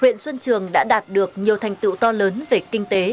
huyện xuân trường đã đạt được nhiều thành tựu to lớn về kinh tế